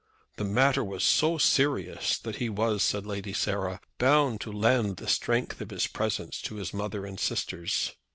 "The matter was so serious, that he was," said Lady Sarah, "bound to lend the strength of his presence to his mother and sisters."